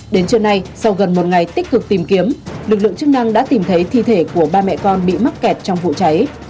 đến trưa nay sau gần một ngày tích cực tìm kiếm lực lượng chức năng đã tìm thấy thi thể của ba mẹ con bị mắc kẹt trong vụ cháy